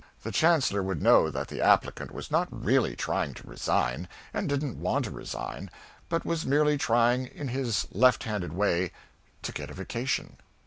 The chancellor would know that the applicant was not really trying to resign, and didn't want to resign, but was merely trying in this left handed way to get a vacation.